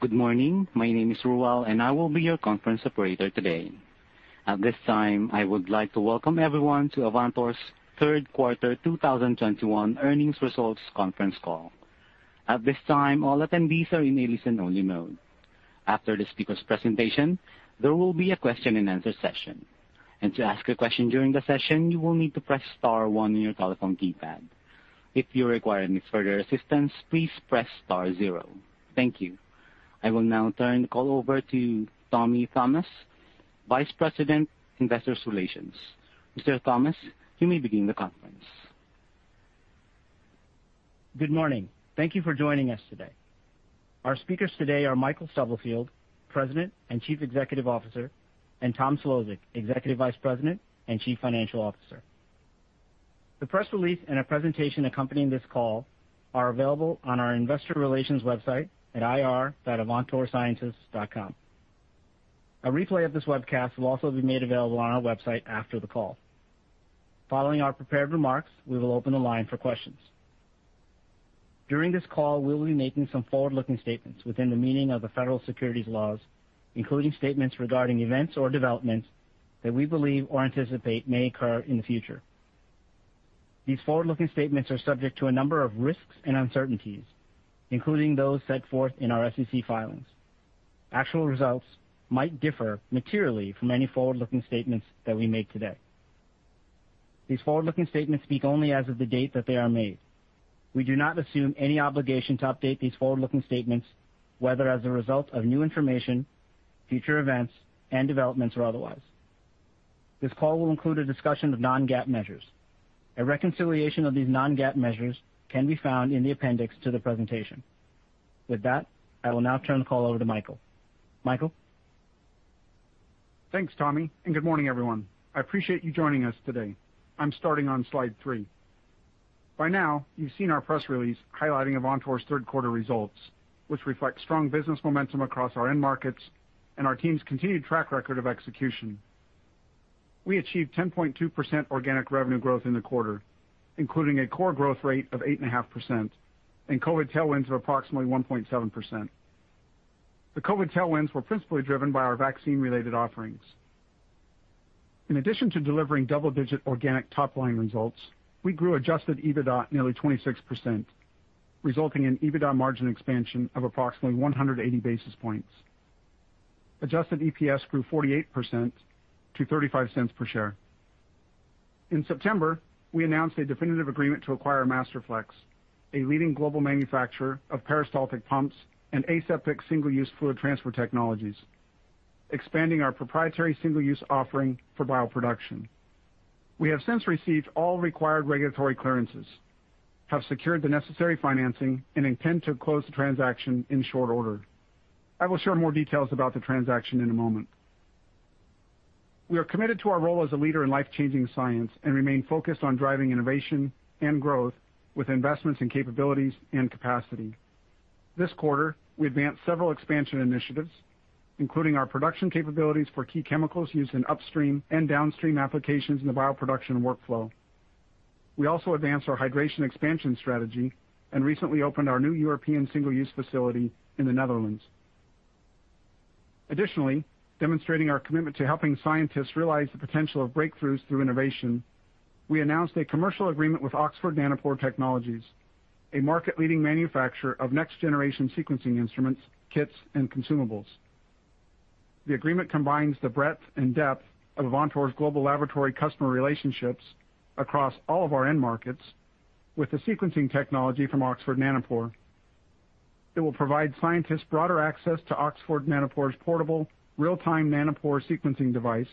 Good morning. My name is Ruwal, and I will be your conference operator today. At this time, I would like to welcome everyone to Avantor's third quarter 2021 earnings results conference call. At this time, all attendees are in a listen-only mode. After the speaker's presentation, there will be a question-and-answer session. To ask a question during the session, you will need to press star one on your telephone keypad. If you require any further assistance, please press star zero. Thank you. I will now turn the call over to Tommy Thomas, Vice President, Investor Relations. Mr. Thomas, you may begin the conference. Good morning. Thank you for joining us today. Our speakers today are Michael Stubblefield, President and Chief Executive Officer, and Tom Szlosek, Executive Vice President and Chief Financial Officer. The press release and a presentation accompanying this call are available on our investor relations website at ir.avantorsciences.com. A replay of this webcast will also be made available on our website after the call. Following our prepared remarks, we will open the line for questions. During this call, we will be making some forward-looking statements within the meaning of the Federal Securities laws, including statements regarding events or developments that we believe or anticipate may occur in the future. These forward-looking statements are subject to a number of risks and uncertainties, including those set forth in our SEC filings. Actual results might differ materially from any forward-looking statements that we make today. These forward-looking statements speak only as of the date that they are made. We do not assume any obligation to update these forward-looking statements, whether as a result of new information, future events and developments or otherwise. This call will include a discussion of non-GAAP measures. A reconciliation of these non-GAAP measures can be found in the appendix to the presentation. With that, I will now turn the call over to Michael. Michael. Thanks, Tommy, and good morning, everyone. I appreciate you joining us today. I'm starting on slide three. By now, you've seen our press release highlighting Avantor's third quarter results, which reflect strong business momentum across our end markets and our team's continued track record of execution. We achieved 10.2% organic revenue growth in the quarter, including a core growth rate of 8.5% and COVID tailwinds of approximately 1.7%. The COVID tailwinds were principally driven by our vaccine-related offerings. In addition to delivering double-digit organic top-line results, we grew adjusted EBITDA nearly 26%, resulting in EBITDA margin expansion of approximately 180 basis points. Adjusted EPS grew 48% to $0.35 per share. In September, we announced a definitive agreement to acquire Masterflex, a leading global manufacturer of peristaltic pumps and aseptic single-use fluid transfer technologies, expanding our proprietary single-use offering for bioproduction. We have since received all required regulatory clearances, have secured the necessary financing, and intend to close the transaction in short order. I will share more details about the transaction in a moment. We are committed to our role as a leader in life-changing science and remain focused on driving innovation and growth with investments in capabilities and capacity. This quarter, we advanced several expansion initiatives, including our production capabilities for key chemicals used in upstream and downstream applications in the bioproduction workflow. We also advanced our hybridization expansion strategy and recently opened our new European single-use facility in the Netherlands. Additionally, demonstrating our commitment to helping scientists realize the potential of breakthroughs through innovation, we announced a commercial agreement with Oxford Nanopore Technologies, a market-leading manufacturer of next-generation sequencing instruments, kits, and consumables. The agreement combines the breadth and depth of Avantor's global laboratory customer relationships across all of our end markets with the sequencing technology from Oxford Nanopore. It will provide scientists broader access to Oxford Nanopore's portable real-time nanopore sequencing device,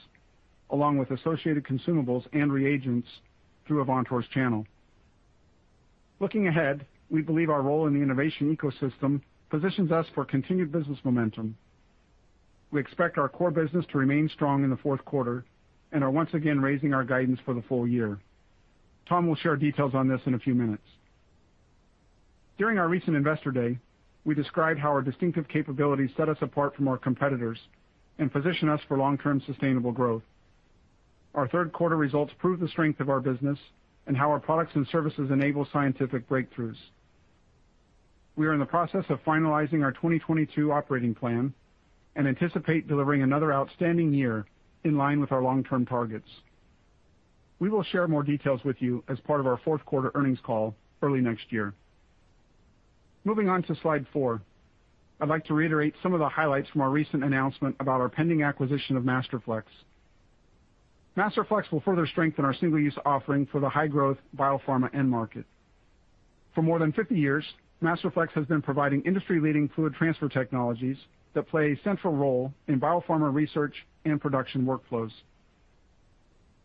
along with associated consumables and reagents through Avantor's channel. Looking ahead, we believe our role in the innovation ecosystem positions us for continued business momentum. We expect our core business to remain strong in the fourth quarter and are once again raising our guidance for the full year. Tom will share details on this in a few minutes. During our recent Investor Day, we described how our distinctive capabilities set us apart from our competitors and position us for long-term sustainable growth. Our third quarter results prove the strength of our business and how our products and services enable scientific breakthroughs. We are in the process of finalizing our 2022 operating plan and anticipate delivering another outstanding year in line with our long-term targets. We will share more details with you as part of our fourth-quarter earnings call early next year. Moving on to slide four. I'd like to reiterate some of the highlights from our recent announcement about our pending acquisition of Masterflex. Masterflex will further strengthen our single-use offering for the high-growth biopharma end market. For more than 50 years, Masterflex has been providing industry-leading fluid transfer technologies that play a central role in biopharma research and production workflows.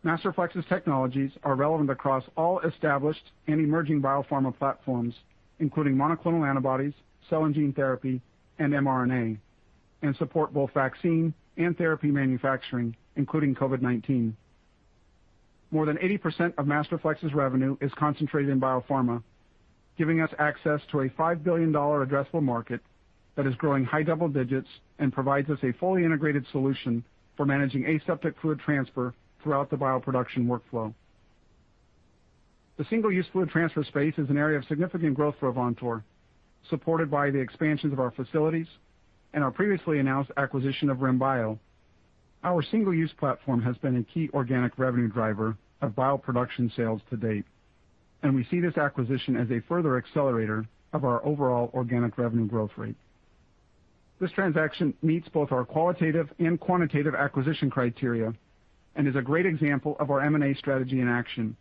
Masterflex's technologies are relevant across all established and emerging biopharma platforms, including monoclonal antibodies, cell and gene therapy, and mRNA, and support both vaccine and therapy manufacturing, including COVID-19. More than 80% of Masterflex's revenue is concentrated in biopharma, giving us access to a $5 billion addressable market. That is growing high double digits and provides us a fully integrated solution for managing aseptic fluid transfer throughout the bioproduction workflow. The single-use fluid transfer space is an area of significant growth for Avantor, supported by the expansions of our facilities and our previously announced acquisition of RIM Bio. Our single-use platform has been a key organic revenue driver of bioproduction sales to date, and we see this acquisition as a further accelerator of our overall organic revenue growth rate. This transaction meets both our qualitative and quantitative acquisition criteria and is a great example of our M&A strategy in action.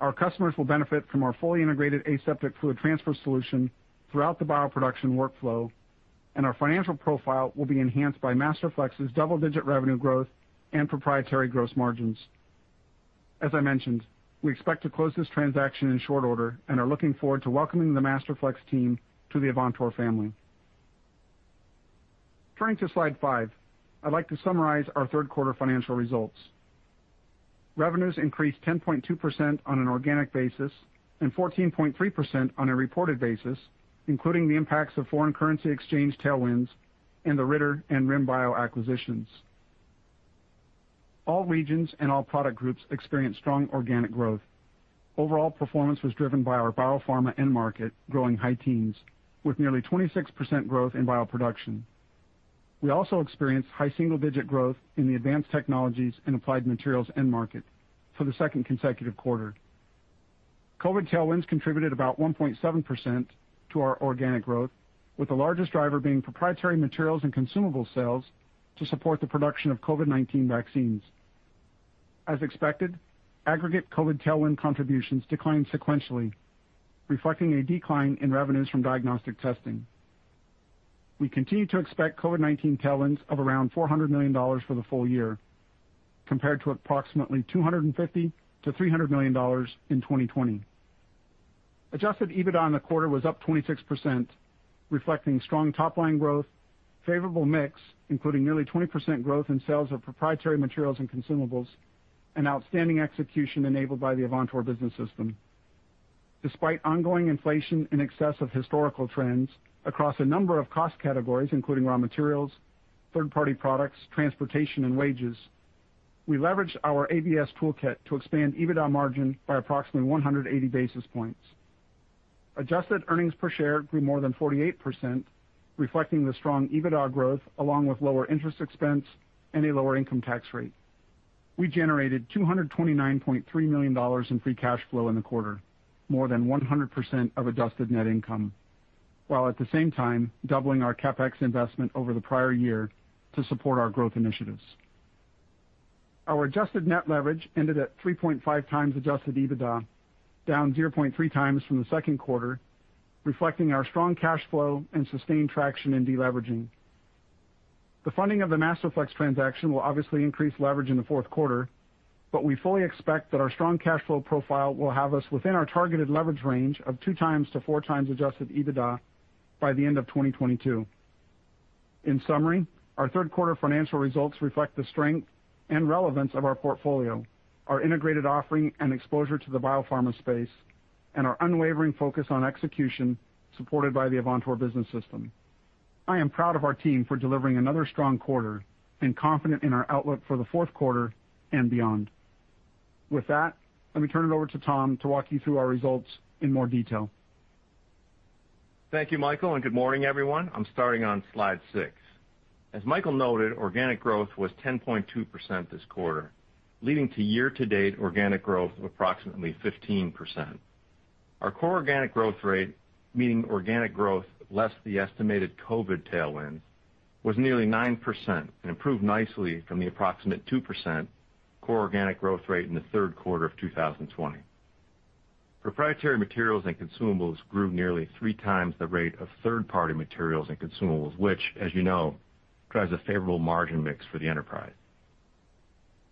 Our customers will benefit from our fully integrated aseptic fluid transfer solution throughout the bioproduction workflow, and our financial profile will be enhanced by Masterflex's double-digit revenue growth and proprietary gross margins. As I mentioned, we expect to close this transaction in short order and are looking forward to welcoming the Masterflex team to the Avantor family. Turning to slide five, I'd like to summarize our third quarter financial results. Revenues increased 10.2% on an organic basis and 14.3% on a reported basis, including the impacts of foreign currency exchange tailwinds and the Ritter and RIM Bio acquisitions. All regions and all product groups experienced strong organic growth. Overall performance was driven by our biopharma end market growing high teens, with nearly 26% growth in bioproduction. We also experienced high single-digit growth in the advanced technologies and applied materials end market for the second consecutive quarter. COVID tailwinds contributed about 1.7% to our organic growth, with the largest driver being proprietary materials and consumable sales to support the production of COVID-19 vaccines. As expected, aggregate COVID tailwind contributions declined sequentially, reflecting a decline in revenues from diagnostic testing. We continue to expect COVID-19 tailwinds of around $400 million for the full year, compared to approximately $250 million-$300 million in 2020. Adjusted EBITDA in the quarter was up 26%, reflecting strong top-line growth, favorable mix, including nearly 20% growth in sales of proprietary materials and consumables, and outstanding execution enabled by the Avantor Business System. Despite ongoing inflation in excess of historical trends across a number of cost categories, including raw materials, third-party products, transportation and wages, we leveraged our ABS toolkit to expand EBITDA margin by approximately 180 basis points. Adjusted earnings per share grew more than 48%, reflecting the strong EBITDA growth along with lower interest expense and a lower income tax rate. We generated $229.3 million in free cash flow in the quarter, more than 100% of adjusted net income, while at the same time doubling our CapEx investment over the prior year to support our growth initiatives. Our adjusted net leverage ended at 3.5x adjusted EBITDA, down 0.3x from the second quarter, reflecting our strong cash flow and sustained traction in deleveraging. The funding of the Masterflex transaction will obviously increase leverage in the fourth quarter, but we fully expect that our strong cash flow profile will have us within our targeted leverage range of 2x-4x adjusted EBITDA by the end of 2022. In summary, our third quarter financial results reflect the strength and relevance of our portfolio, our integrated offering and exposure to the biopharma space, and our unwavering focus on execution supported by the Avantor Business System. I am proud of our team for delivering another strong quarter and confident in our outlook for the fourth quarter and beyond. With that, let me turn it over to Tom to walk you through our results in more detail. Thank you, Michael, and good morning, everyone. I'm starting on slide six. As Michael noted, organic growth was 10.2% this quarter, leading to year-to-date organic growth of approximately 15%. Our core organic growth rate, meaning organic growth less the estimated COVID tailwind, was nearly 9% and improved nicely from the approximate 2% core organic growth rate in the third quarter of 2020. Proprietary materials and consumables grew nearly 3x the rate of third-party materials and consumables, which as you know, drives a favorable margin mix for the enterprise.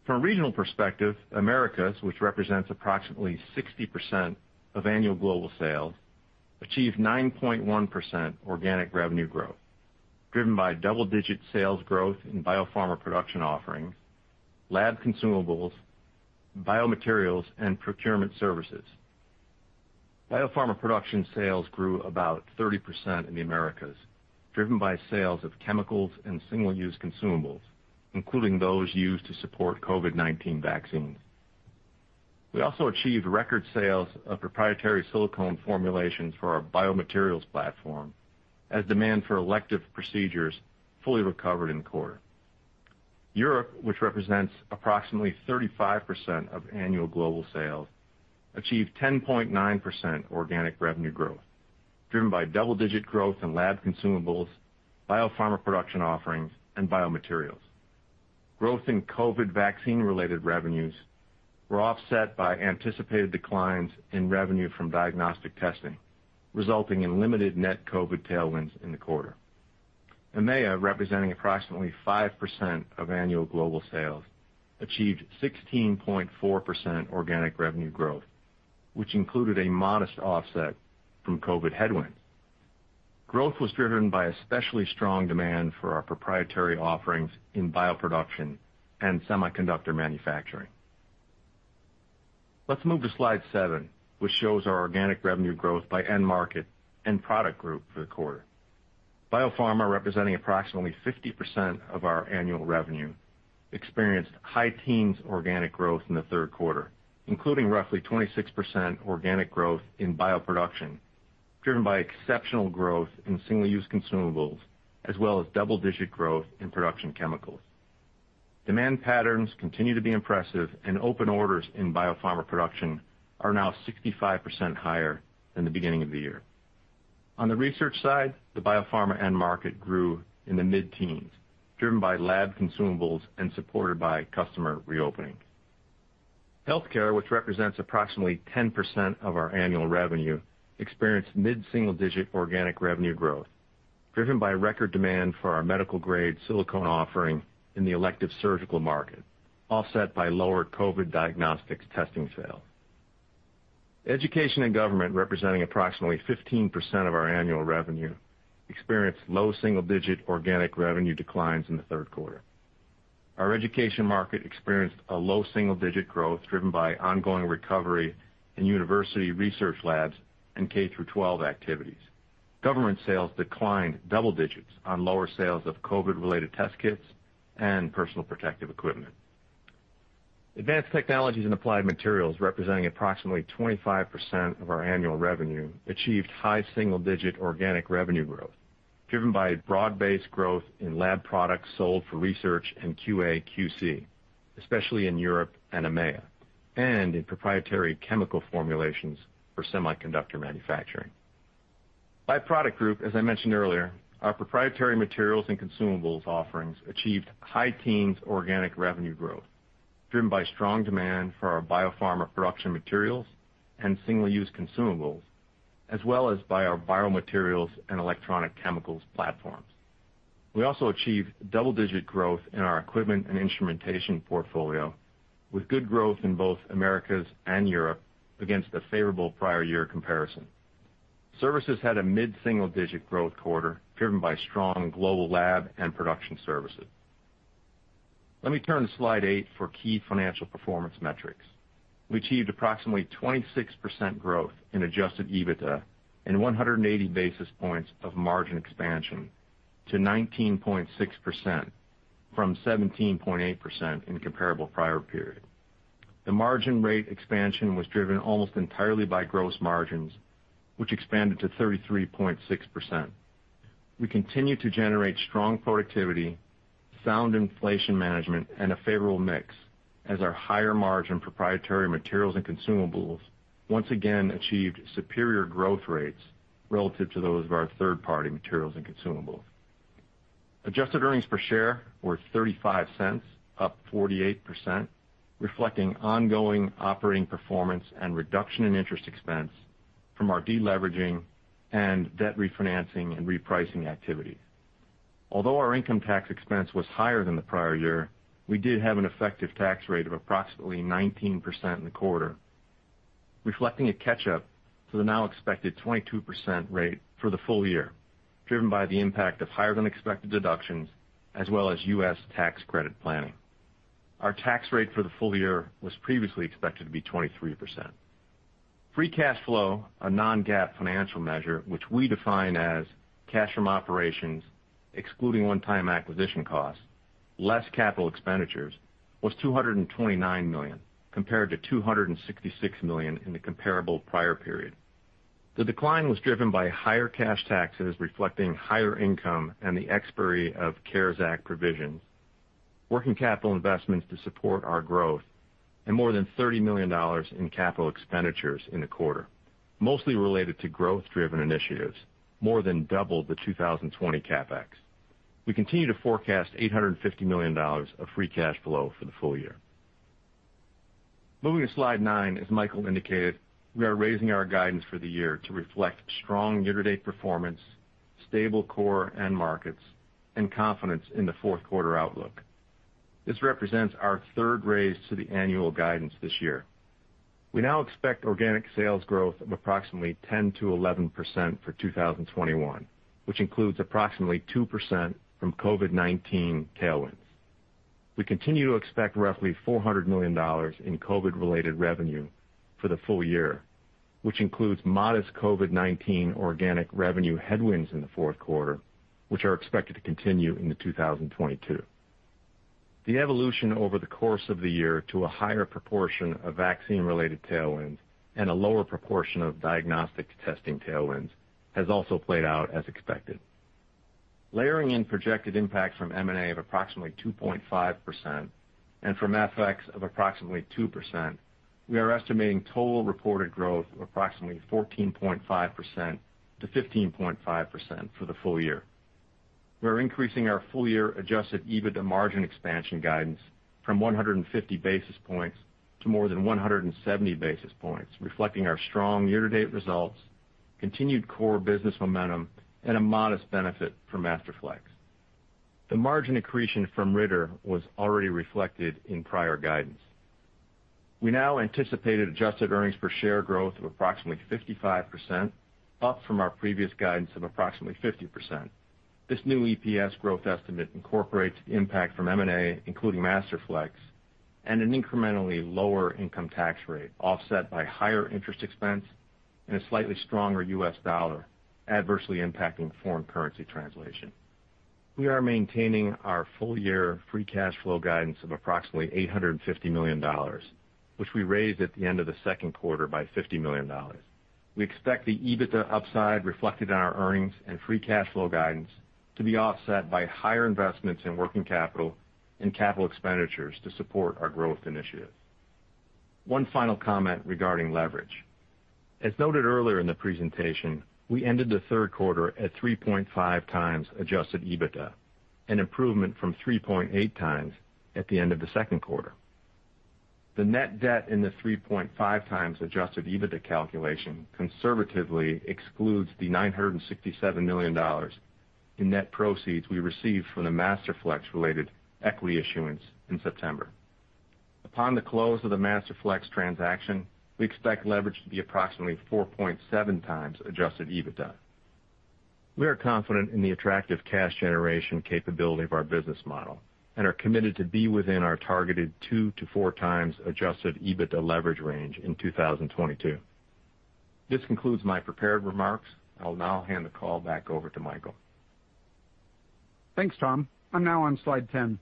From a regional perspective, Americas, which represents approximately 60% of annual global sales, achieved 9.1% organic revenue growth, driven by double-digit sales growth in biopharma production offerings, lab consumables, biomaterials and procurement services. Biopharma production sales grew about 30% in the Americas, driven by sales of chemicals and single-use consumables, including those used to support COVID-19 vaccines. We also achieved record sales of proprietary silicone formulations for our biomaterials platform as demand for elective procedures fully recovered in the quarter. Europe, which represents approximately 35% of annual global sales, achieved 10.9% organic revenue growth, driven by double-digit growth in lab consumables, biopharma production offerings, and biomaterials. Growth in COVID vaccine-related revenues were offset by anticipated declines in revenue from diagnostic testing, resulting in limited net COVID tailwinds in the quarter. EMEA, representing approximately 5% of annual global sales, achieved 16.4% organic revenue growth, which included a modest offset from COVID headwinds. Growth was driven by especially strong demand for our proprietary offerings in bioproduction and semiconductor manufacturing. Let's move to slide seven, which shows our organic revenue growth by end market and product group for the quarter. Biopharma, representing approximately 50% of our annual revenue, experienced high teens organic growth in the third quarter, including roughly 26% organic growth in bioproduction, driven by exceptional growth in single-use consumables as well as double-digit growth in production chemicals. Demand patterns continue to be impressive and open orders in biopharma production are now 65% higher than the beginning of the year. On the research side, the biopharma end market grew in the mid-teens, driven by lab consumables and supported by customer reopening. Healthcare, which represents approximately 10% of our annual revenue, experienced mid-single-digit organic revenue growth, driven by record demand for our medical-grade silicone offering in the elective surgical market, offset by lower COVID diagnostics testing sales. Education and government, representing approximately 15% of our annual revenue, experienced low single-digit organic revenue declines in the third quarter. Our education market experienced a low single-digit growth driven by ongoing recovery in university research labs and K-12 activities. Government sales declined double-digits on lower sales of COVID-related test kits and personal protective equipment. Advanced technologies and applied materials, representing approximately 25% of our annual revenue, achieved high single-digit organic revenue growth, driven by broad-based growth in lab products sold for research and QA, QC, especially in Europe and EMEA, and in proprietary chemical formulations for semiconductor manufacturing. By product group, as I mentioned earlier, our proprietary materials and consumables offerings achieved high teens organic revenue growth, driven by strong demand for our biopharma production materials and single-use consumables, as well as by our viral materials and electronic chemicals platforms. We also achieved double-digit growth in our equipment and instrumentation portfolio, with good growth in both Americas and Europe against a favorable prior year comparison. Services had a mid-single digit growth quarter, driven by strong global lab and production services. Let me turn to slide eight for key financial performance metrics. We achieved approximately 26% growth in adjusted EBITDA and 180 basis points of margin expansion to 19.6% from 17.8% in comparable prior period. The margin rate expansion was driven almost entirely by gross margins, which expanded to 33.6%. We continue to generate strong productivity, sound inflation management, and a favorable mix as our higher margin proprietary materials and consumables once again achieved superior growth rates relative to those of our third-party materials and consumables. Adjusted earnings per share were $0.35, up 48%, reflecting ongoing operating performance and reduction in interest expense from our deleveraging and debt refinancing and repricing activities. Although our income tax expense was higher than the prior year, we did have an effective tax rate of approximately 19% in the quarter, reflecting a catch-up to the now expected 22% rate for the full year, driven by the impact of higher than expected deductions as well as U.S. tax credit planning. Our tax rate for the full year was previously expected to be 23%. Free cash flow, a non-GAAP financial measure, which we define as cash from operations, excluding one-time acquisition costs, less capital expenditures, was $229 million, compared to $266 million in the comparable prior period. The decline was driven by higher cash taxes reflecting higher income and the expiry of CARES Act provisions, working capital investments to support our growth, and more than $30 million in capital expenditures in the quarter, mostly related to growth-driven initiatives, more than double the 2020 CapEx. We continue to forecast $850 million of free cash flow for the full year. Moving to slide nine, as Michael indicated, we are raising our guidance for the year to reflect strong year-to-date performance, stable core end markets, and confidence in the fourth quarter outlook. This represents our third raise to the annual guidance this year. We now expect organic sales growth of approximately 10%-11% for 2021, which includes approximately 2% from COVID-19 tailwinds. We continue to expect roughly $400 million in COVID-related revenue for the full year, which includes modest COVID-19 organic revenue headwinds in the fourth quarter, which are expected to continue into 2022. The evolution over the course of the year to a higher proportion of vaccine-related tailwinds and a lower proportion of diagnostic testing tailwinds has also played out as expected. Layering in projected impacts from M&A of approximately 2.5% and from FX of approximately 2%, we are estimating total reported growth of approximately 14.5%-15.5% for the full year. We are increasing our full-year adjusted EBITDA margin expansion guidance from 150 basis points to more than 170 basis points, reflecting our strong year-to-date results, continued core business momentum, and a modest benefit from Masterflex. The margin accretion from Ritter was already reflected in prior guidance. We now anticipate adjusted earnings per share growth of approximately 55%, up from our previous guidance of approximately 50%. This new EPS growth estimate incorporates the impact from M&A, including Masterflex, and an incrementally lower income tax rate, offset by higher interest expense and a slightly stronger U.S. dollar, adversely impacting foreign currency translation. We are maintaining our full-year free cash flow guidance of approximately $850 million, which we raised at the end of the second quarter by $50 million. We expect the EBITDA upside reflected in our earnings and free cash flow guidance to be offset by higher investments in working capital and capital expenditures to support our growth initiatives. One final comment regarding leverage. As noted earlier in the presentation, we ended the third quarter at 3.5x adjusted EBITDA, an improvement from 3.8x at the end of the second quarter. The net debt in the 3.5x adjusted EBITDA calculation conservatively excludes the $967 million in net proceeds we received from the Masterflex-related equity issuance in September. Upon the close of the Masterflex transaction, we expect leverage to be approximately 4.7x adjusted EBITDA. We are confident in the attractive cash generation capability of our business model and are committed to be within our targeted 2-4x adjusted EBITDA leverage range in 2022. This concludes my prepared remarks. I will now hand the call back over to Michael. Thanks, Tom. I'm now on slide 10.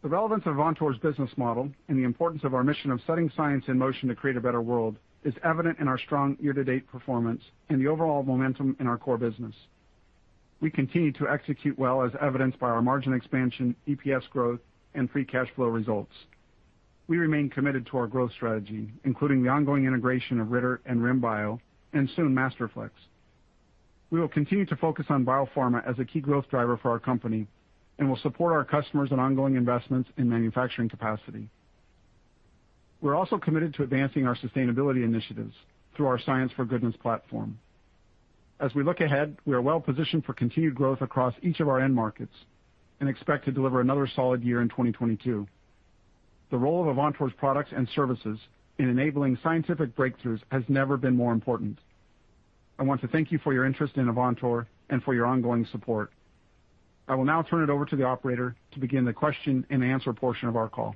The relevance of Avantor's business model and the importance of our mission of setting science in motion to create a better world is evident in our strong year-to-date performance and the overall momentum in our core business. We continue to execute well, as evidenced by our margin expansion, EPS growth, and free cash flow results. We remain committed to our growth strategy, including the ongoing integration of Ritter and RIM Bio and soon Masterflex. We will continue to focus on biopharma as a key growth driver for our company and will support our customers and ongoing investments in manufacturing capacity. We're also committed to advancing our sustainability initiatives through our Science for Goodness platform. As we look ahead, we are well positioned for continued growth across each of our end markets and expect to deliver another solid year in 2022. The role of Avantor's products and services in enabling scientific breakthroughs has never been more important. I want to thank you for your interest in Avantor and for your ongoing support. I will now turn it over to the operator to begin the question-and-answer portion of our call.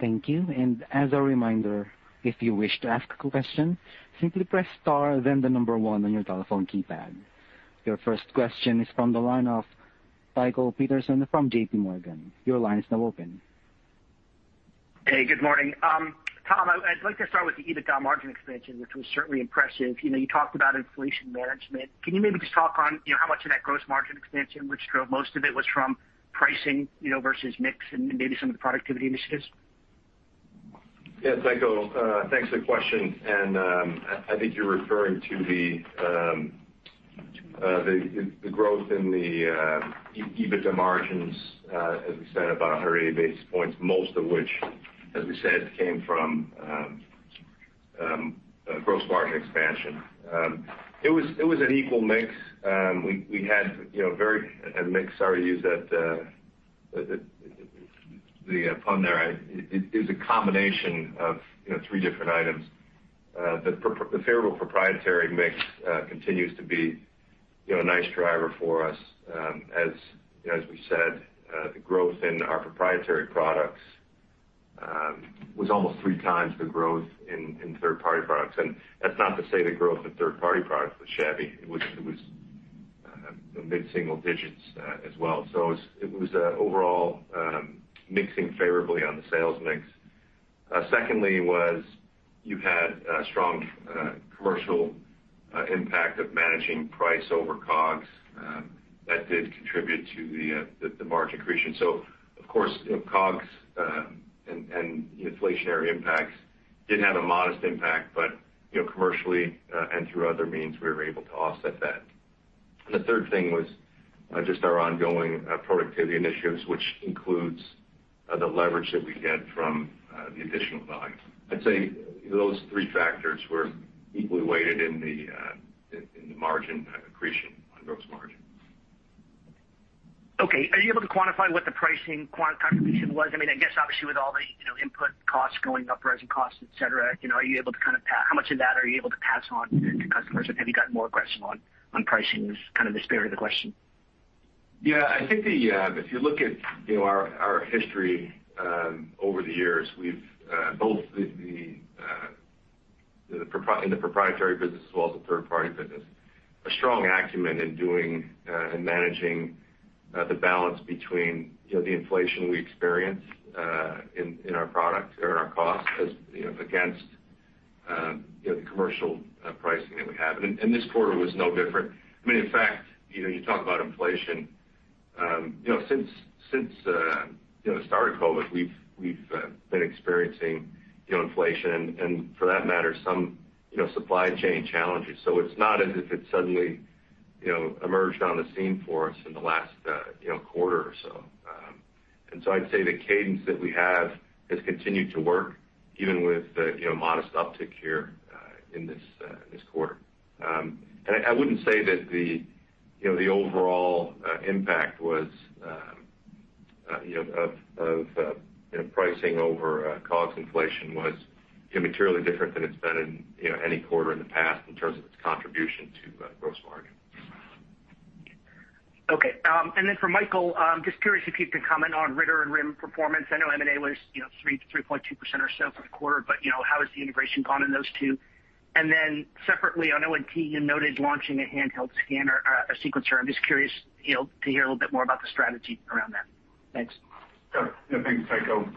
Thank you. As a reminder, if you wish to ask a question, simply press star then the number one on your telephone keypad. Your first question is from the line of Tycho Peterson from JPMorgan. Your line is now open. Hey, good morning. Tom, I'd like to start with the EBITDA margin expansion, which was certainly impressive. You know, you talked about inflation management. Can you maybe just talk on, you know, how much of that gross margin expansion which drove most of it was from pricing, you know, versus mix and maybe some of the productivity initiatives? Yeah. Tycho, thanks for the question, and I think you're referring to the growth in the EBITDA margins, as we said, about 100 basis points, most of which, as we said, came from gross margin expansion. It was an equal mix. We had, you know, a mix, sorry to use that, the pun there. It is a combination of, you know, three different items. The favorable proprietary mix continues to be, you know, a nice driver for us. As we said, the growth in our proprietary products was almost 3x the growth in third-party products. That's not to say the growth in third-party products was shabby. It was mid-single digits, as well. It was overall mixing favorably on the sales mix. Secondly, you had a strong commercial impact of managing price over COGS that did contribute to the margin accretion. Of course, you know, COGS and inflationary impacts did have a modest impact, but you know, commercially and through other means, we were able to offset that. The third thing was just our ongoing productivity initiatives, which includes the leverage that we get from the additional volume. I'd say those three factors were equally weighted in the margin accretion on gross margin. Okay. Are you able to quantify what the pricing contribution was? I mean, I guess obviously with all the, you know, input costs going up, rising costs, et cetera, you know, are you able to kind of how much of that are you able to pass on to customers? Have you gotten more aggressive on pricing is kind of the spirit of the question. Yeah. I think if you look at, you know, our history over the years, we've both in the proprietary business as well as the third-party business a strong acumen in doing and managing the balance between, you know, the inflation we experience in our product or in our cost, as you know, against, you know, the commercial pricing that we have. This quarter was no different. I mean, in fact, you know, you talk about inflation, you know, since the start of COVID, we've been experiencing, you know, inflation and for that matter, some supply chain challenges. It's not as if it suddenly, you know, emerged on the scene for us in the last quarter or so. I'd say the cadence that we have has continued to work even with, you know, modest uptick here, in this quarter. I wouldn't say that the, you know, the overall impact was You know, pricing over COGS inflation was materially different than it's been in, you know, any quarter in the past in terms of its contribution to gross margin. Okay. For Michael, just curious if you can comment on Ritter and RIM performance. I know M&A was, you know, 3%-3.2% or so for the quarter, but, you know, how has the integration gone in those two? Separately, I know when you noted launching a handheld scanner, a sequencer. I'm just curious, you know, to hear a little bit more about the strategy around that. Thanks. Yeah. Thanks, Tycho.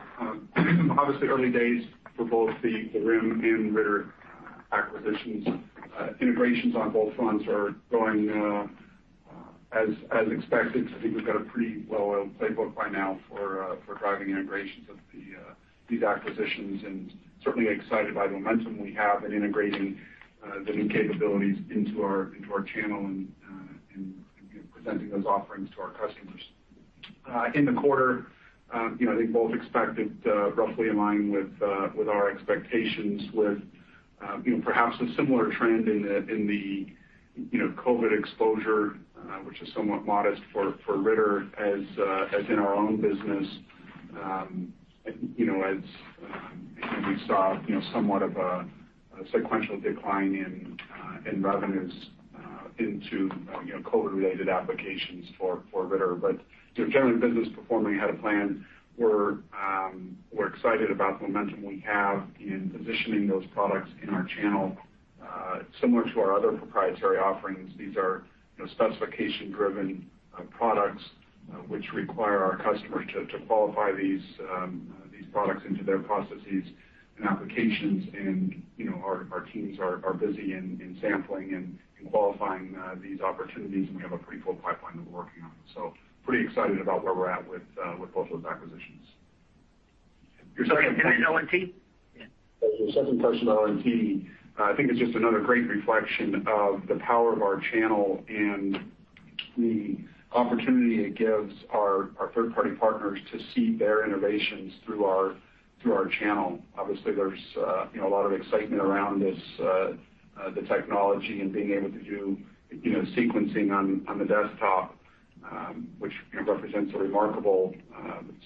Obviously early days for both the RIM and Ritter acquisitions. Integrations on both fronts are going as expected. I think we've got a pretty well-oiled playbook by now for driving integrations of these acquisitions, and certainly excited by the momentum we have in integrating the new capabilities into our channel and, you know, presenting those offerings to our customers. In the quarter, you know, I think both expected roughly in line with our expectations with, you know, perhaps a similar trend in the COVID exposure, which is somewhat modest for Ritter as in our own business. you know, as again, we saw you know somewhat of a sequential decline in revenues into you know COVID-related applications for Ritter. you know, generally business performing ahead of plan. We're excited about the momentum we have in positioning those products in our channel similar to our other proprietary offerings. These are you know specification-driven products which require our customers to qualify these products into their processes and applications. you know, our teams are busy in sampling and qualifying these opportunities, and we have a pretty full pipeline that we're working on. pretty excited about where we're at with both those acquisitions. Your second- ONT? Yeah. Your second question on ONT, I think it's just another great reflection of the power of our channel and the opportunity it gives our third-party partners to see their innovations through our channel. Obviously, there's you know a lot of excitement around this the technology and being able to do you know sequencing on the desktop, which you know represents a remarkable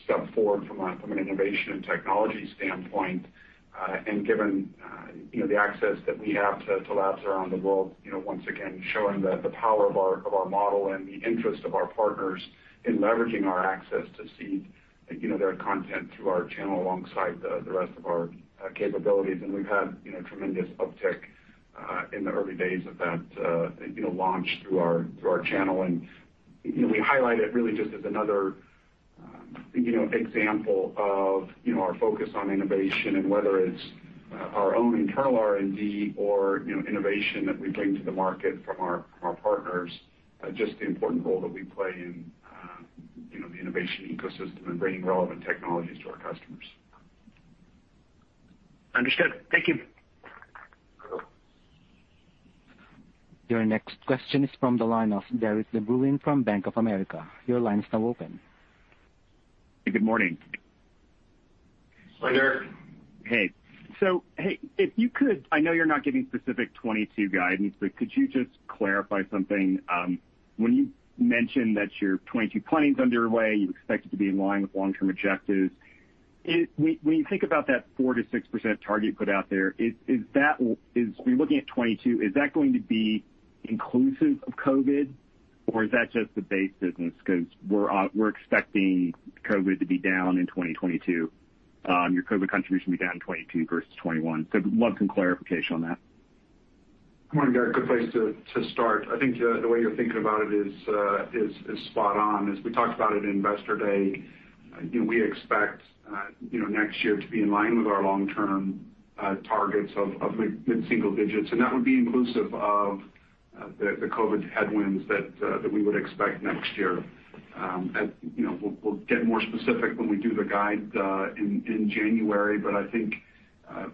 step forward from an innovation and technology standpoint. Given you know the access that we have to labs around the world, you know once again showing the power of our model and the interest of our partners in leveraging our access to see you know their content through our channel alongside the rest of our capabilities. We've had, you know, tremendous uptick in the early days of that launch through our channel. We highlight it really just as another, you know, example of our focus on innovation, and whether it's our own internal R&D or innovation that we bring to the market from our partners, just the important role that we play in the innovation ecosystem and bringing relevant technologies to our customers. Understood. Thank you. Sure. Your next question is from the line of Derik de Bruin from Bank of America. Your line is now open. Good morning. Hi, Derik. If you could, I know you're not giving specific 2022 guidance, but could you just clarify something? When you mentioned that your 2022 planning is underway, you expect it to be in line with long-term objectives. When you think about that 4%-6% target put out there, is that, when you're looking at 2022, going to be inclusive of COVID, or is that just the base business? 'Cause we're expecting COVID to be down in 2022, your COVID contribution to be down in 2022 versus 2021. Love some clarification on that. Good morning, Derik. Good place to start. I think the way you're thinking about it is spot on. As we talked about at Investor Day, you know, we expect you know, next year to be in line with our long-term targets of mid-single digits, and that would be inclusive of the COVID headwinds that we would expect next year. You know, we'll get more specific when we do the guide in January. I think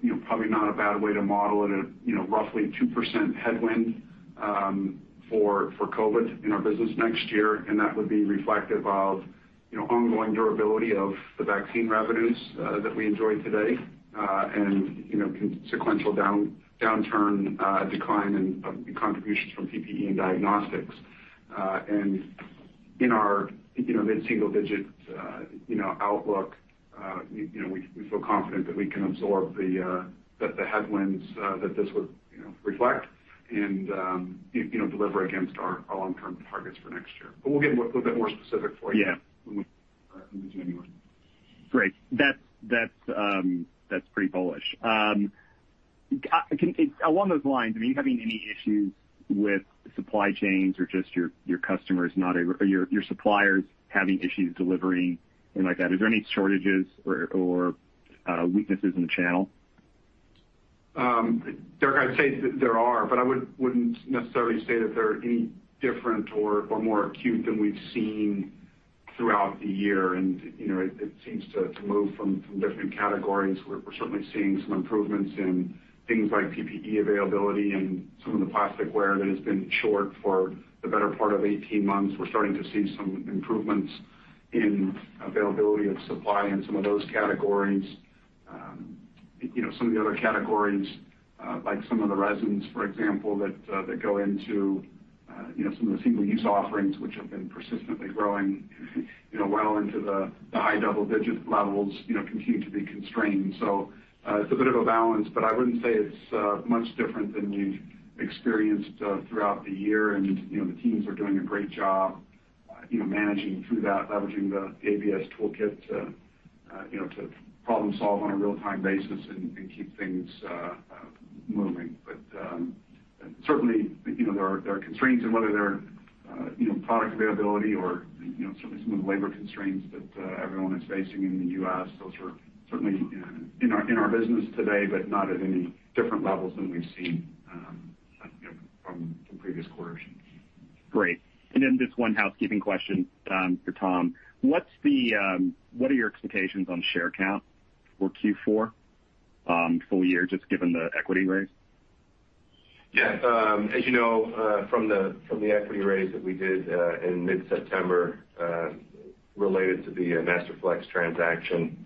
you know, probably not a bad way to model it at you know, roughly 2% headwind for COVID in our business next year. That would be reflective of, you know, ongoing durability of the vaccine revenues that we enjoy today, and, you know, consequential decline in contributions from PPE and diagnostics. In our, you know, mid-single digit, you know, outlook, you know, we feel confident that we can absorb the headwinds that this would, you know, reflect and, you know, deliver against our long-term targets for next year. We'll get a little bit more specific for you. Yeah. when we in January. Great. That's pretty bullish. Along those lines, are you having any issues with supply chains or just your customers or your suppliers having issues delivering, anything like that? Is there any shortages or weaknesses in the channel? Derik, I'd say there are, but I wouldn't necessarily say that they're any different or more acute than we've seen throughout the year. You know, it seems to move from different categories. We're certainly seeing some improvements in things like PPE availability and some of the plastic ware that has been short for the better part of 18 months. We're starting to see some improvements in availability of supply in some of those categories. You know, some of the other categories, like some of the resins, for example, that go into you know, some of the single-use offerings which have been persistently growing, you know, well into the high double-digit levels, you know, continue to be constrained. It's a bit of a balance, but I wouldn't say it's much different than you've experienced throughout the year. You know, the teams are doing a great job, you know, managing through that, leveraging the ABS toolkit to, you know, to problem solve on a real-time basis and keep things moving. Certainly, you know, there are constraints and whether they're, you know, product availability or, you know, certainly some of the labor constraints that everyone is facing in the U.S., those are certainly in our business today, but not at any different levels than we've seen, you know, from the previous quarters. Great. Just one housekeeping question for Tom. What are your expectations on share count for Q4, full year, just given the equity raise? Yeah. As you know, from the equity raise that we did in mid-September related to the Masterflex transaction,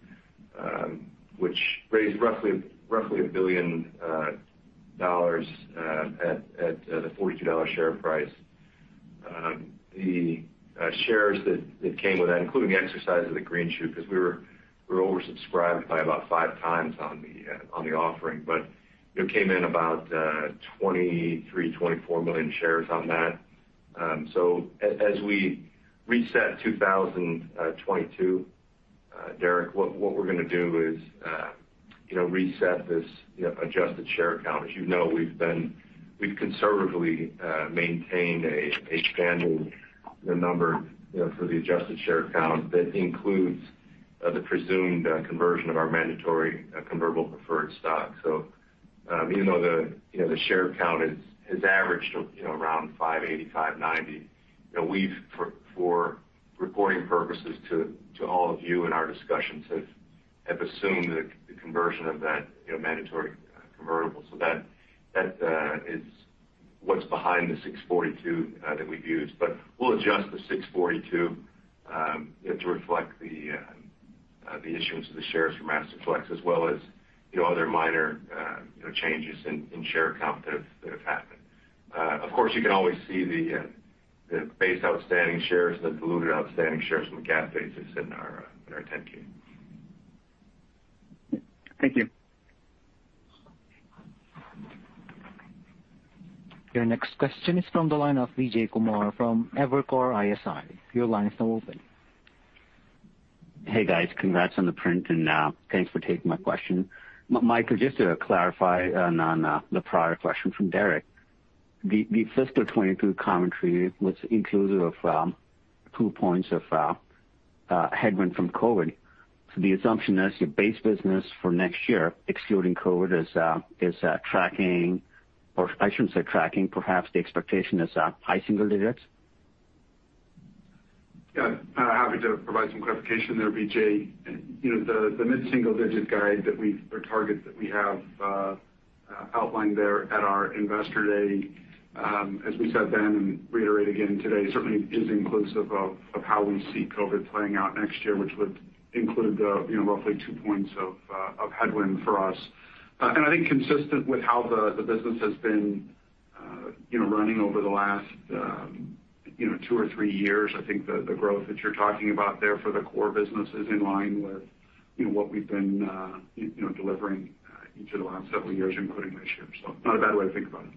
which raised roughly $1 billion at the $42 share price. The shares that came with that, including the exercise of the greenshoe, 'cause we were oversubscribed by about 5x on the offering. You know, came in about 23-24 million shares on that. As we reset 2022, Derik, what we're gonna do is, you know, reset this, you know, adjusted share count. As you know, we've conservatively maintained a standing, you know, number, you know, for the adjusted share count that includes the presumed conversion of our mandatory convertible preferred stock. Even though you know the share count has averaged you know around 580, 590, you know we've for reporting purposes to all of you in our discussions have assumed the conversion of that you know mandatory convertible. That is what's behind the 642 that we've used. But we'll adjust the 642 you know to reflect the issuance of the shares from Masterflex, as well as you know other minor you know changes in share count that have happened. Of course, you can always see the base outstanding shares, the diluted outstanding shares from a GAAP basis in our 10-K. Thank you. Your next question is from the line of Vijay Kumar from Evercore ISI. Your line is now open. Hey, guys. Congrats on the print, and thanks for taking my question. Michael, just to clarify on the prior question from Derik. The fiscal 2022 commentary was inclusive of two points of headwind from COVID. The assumption is your base business for next year, excluding COVID, is tracking, or I shouldn't say tracking, perhaps the expectation is high single digits? Yeah. Happy to provide some clarification there, Vijay. You know, the mid-single digit guide or target that we have outlined there at our Investor Day, as we said then and reiterate again today, certainly is inclusive of how we see COVID playing out next year, which would include the you know roughly two points of headwind for us. I think consistent with how the business has been you know running over the last you know two or three years, I think the growth that you're talking about there for the core business is in line with you know what we've been you know delivering each of the last several years, including this year. Not a bad way to think about it.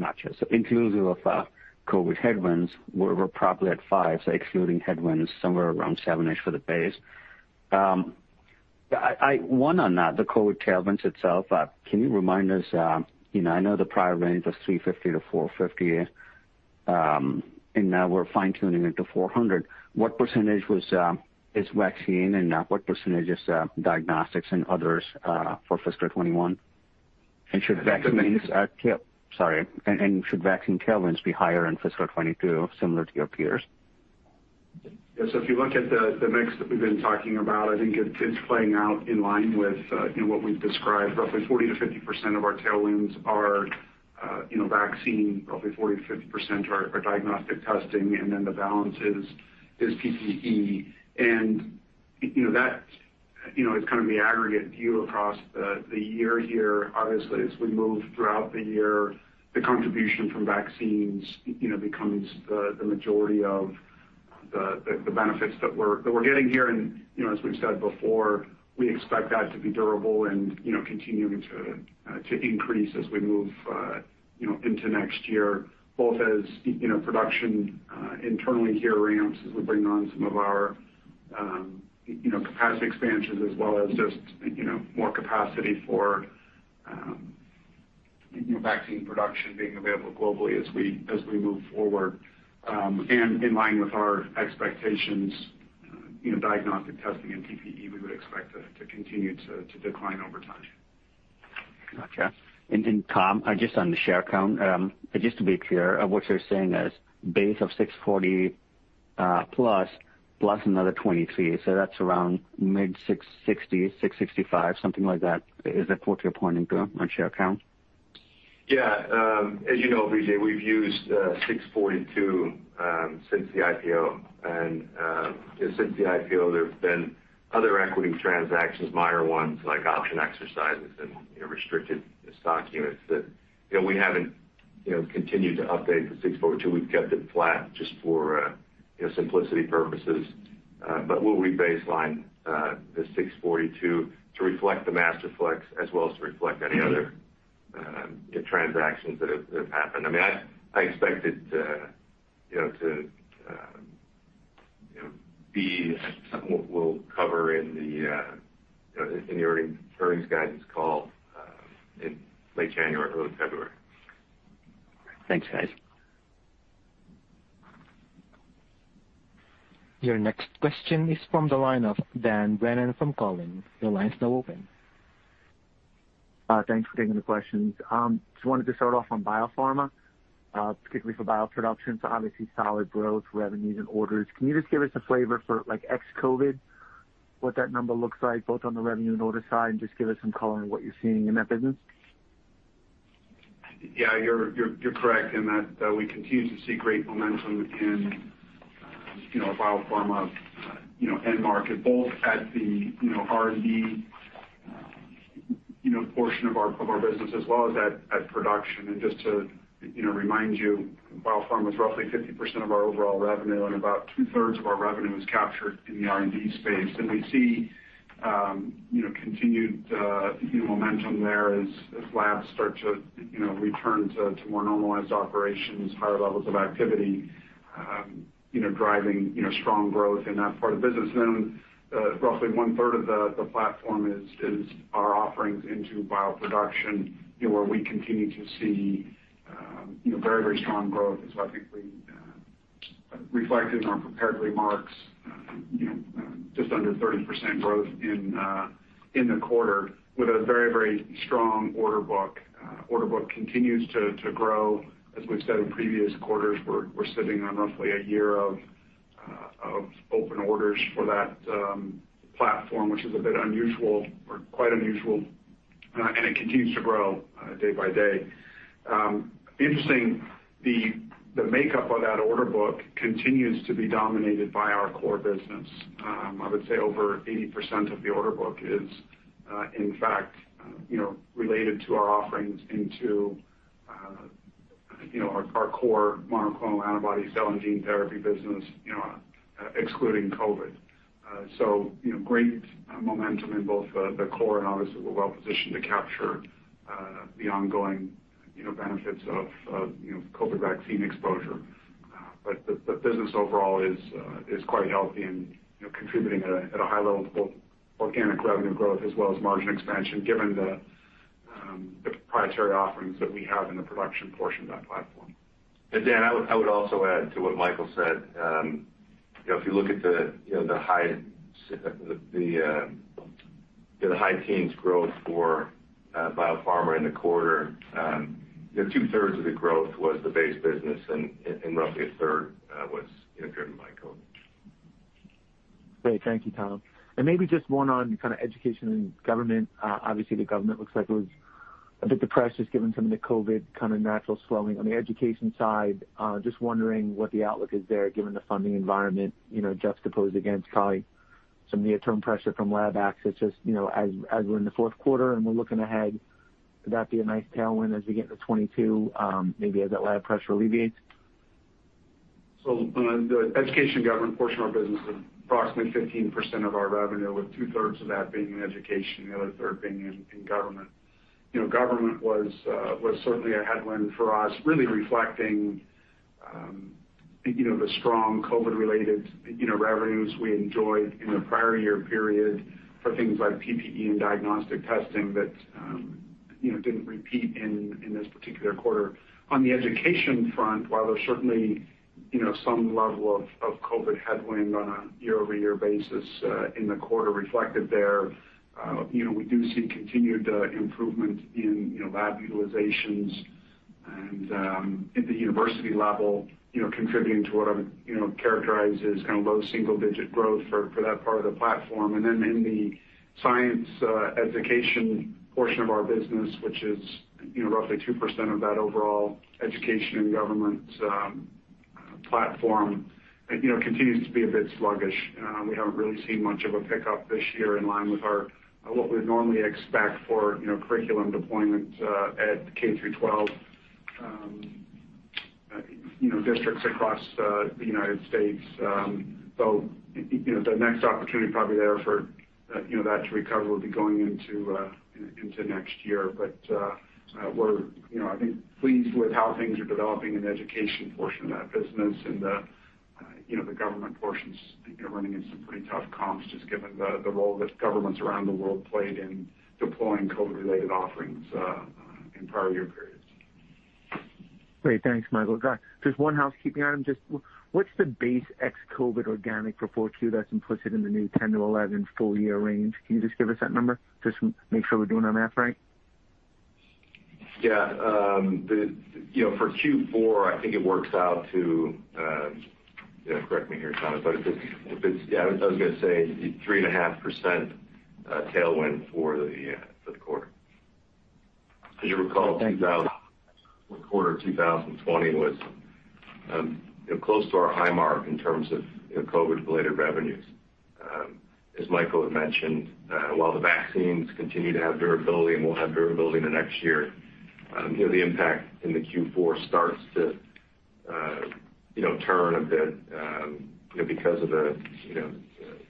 Gotcha. Inclusive of COVID headwinds, we're probably at 5%. Excluding headwinds, somewhere around 7-ish% for the base. One on that, the COVID tailwinds itself, can you remind us, I know the prior range was $350-$450, and now we're fine-tuning it to $400. What percentage is vaccine, and what percentage is diagnostics and others, for fiscal 2021? Should vaccine tailwinds be higher in fiscal 2022, similar to your peers? Yeah. If you look at the mix that we've been talking about, I think it's playing out in line with what we've described. Roughly 40%-50% of our tailwinds are vaccine. Roughly 40%-50% are diagnostic testing, and then the balance is PPE. That is kind of the aggregate view across the year here. Obviously, as we move throughout the year, the contribution from vaccines becomes the majority of the benefits that we're getting here. You know, as we've said before, we expect that to be durable and, you know, continuing to increase as we move, you know, into next year, both as, you know, production internally here ramps as we bring on some of our, you know, capacity expansions, as well as just, you know, more capacity for, you know, vaccine production being available globally as we move forward. In line with our expectations, you know, diagnostic testing and PPE we would expect to continue to decline over time. Gotcha. Tom, just on the share count, just to be clear, what you're saying is base of 640, plus another 23. That's around mid-660, 665, something like that. Is that what you're pointing to on share count? Yeah. As you know, Vijay, we've used 642 since the IPO, and since the IPO, there have been other equity transactions, minor ones like option exercises and restricted stock units that, you know, we haven't continued to update the 642. We've kept it flat just for, you know, simplicity purposes. But we'll rebaseline the 642 to reflect the Masterflex as well as to reflect any other transactions that have happened. I mean, I expect it to, you know, be something we'll cover in the, you know, in the earnings guidance call in late January, early February. Thanks, guys. Your next question is from the line of Dan Brennan from Cowen. Your line's now open. Thanks for taking the questions. Just wanted to start off on biopharma, particularly for bioproduction. Obviously solid growth, revenues, and orders. Can you just give us a flavor for, like, ex-COVID, what that number looks like both on the revenue and order side, and just give us some color on what you're seeing in that business? Yeah, you're correct in that we continue to see great momentum in, you know, biopharma end market, both at the, you know, R&D portion of our business as well as at production. Just to, you know, remind you, biopharma is roughly 50% of our overall revenue, and about 2/3 of our revenue is captured in the R&D space. We see you know continued momentum there as labs start to you know return to more normalized operations, higher levels of activity, you know driving strong growth in that part of the business. Then, roughly 1/3 of the platform is our offerings into bioproduction, you know, where we continue to see very strong growth. As I think we reflected in our prepared remarks, you know, just under 30% growth in the quarter with a very, very strong order book. Order book continues to grow. As we've said in previous quarters, we're sitting on roughly a year of open orders for that platform, which is a bit unusual or quite unusual, and it continues to grow day by day. Interesting, the makeup of that order book continues to be dominated by our core business. I would say over 80% of the order book is in fact, you know, related to our offerings into you know, our core monoclonal antibodies, cell and gene therapy business, you know, excluding COVID. You know, great momentum in both the core, and obviously, we're well positioned to capture the ongoing, you know, benefits of COVID vaccine exposure. The business overall is quite healthy and you know contributing at a high level of both organic revenue growth as well as margin expansion, given the proprietary offerings that we have in the production portion of that platform. Dan, I would also add to what Michael said. You know, if you look at the high teens growth for biopharma in the quarter, you know, two-thirds of the growth was the base business and roughly a third was driven by COVID. Great. Thank you, Tom. Maybe just one on kind of education and government. Obviously, the government looks like it was a bit depressed just given some of the COVID kind of natural swelling. On the education side, just wondering what the outlook is there given the funding environment, you know, juxtaposed against probably some near-term pressure from LabAX. It's just, you know, as we're in the fourth quarter and we're looking ahead, would that be a nice tailwind as we get into 2022, maybe as that lab pressure alleviates? On the education government portion of our business is approximately 15% of our revenue, with two-thirds of that being in education and the other third being in government. You know, government was certainly a headwind for us, really reflecting you know, the strong COVID-related you know, revenues we enjoyed in the prior year period for things like PPE and diagnostic testing that you know, didn't repeat in this particular quarter. On the education front, while there's certainly you know, some level of COVID headwind on a year-over-year basis, in the quarter reflected there you know, we do see continued improvement in you know, lab utilizations and at the university level, you know, contributing to what I would you know, characterize as kind of low single-digit growth for that part of the platform. In the science education portion of our business, which is, you know, roughly 2% of that overall education and government platform, you know, continues to be a bit sluggish. We haven't really seen much of a pickup this year what we'd normally expect for, you know, curriculum deployment at K through 12, you know, districts across the United States. You know, the next opportunity probably there for, you know, that to recover will be going into next year. We're, you know, I think, pleased with how things are developing in the education portion of that business and the, you know, the government portions, you know, running into some pretty tough comps just given the role that governments around the world played in deploying COVID-related offerings in prior year periods. Great. Thanks, Michael. Got just one housekeeping item. Just what's the base ex-COVID organic for Q4 that's implicit in the new 10-11 full year range? Can you just give us that number? Just make sure we're doing our math right. Yeah. You know, for Q4, I think it works out to, Correct me here, Tom. I was gonna say 3.5% tailwind for the quarter. As you recall, Q2 2020 was, you know, close to our high mark in terms of, you know, COVID-related revenues. As Michael had mentioned, while the vaccines continue to have durability and will have durability in the next year, you know, the impact in Q4 starts to, you know, turn a bit, you know, because of the, you know,